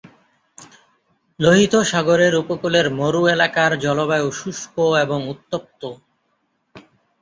লোহিত সাগরের উপকূলের মরু এলাকার জলবায়ু শুষ্ক এবং উত্তপ্ত।